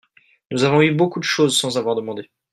nous avons eu beaucoup de choses sans avoir demandé.